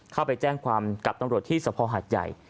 เข้าไปแจ้งความกับตำรวจที่สะพอหาดใหญ่